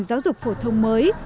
giáo dục phổ thông mới